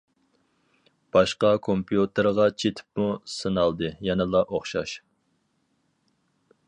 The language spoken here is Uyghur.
باشقا كومپيۇتېرغا چېتىپمۇ سىنالدى يەنىلا ئوخشاش.